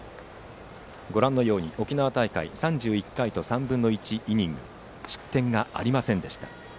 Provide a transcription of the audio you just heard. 沖縄大会３１回と３分の１イニングで失点がありませんでした。